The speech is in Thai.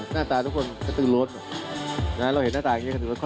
หน้าตาทุกคนกระตื้อรถนะเราเห็นหน้าตาแบบนี้กระตื้อรถ